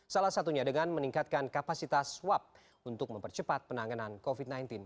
salah satunya dengan meningkatkan kapasitas swab untuk mempercepat penanganan covid sembilan belas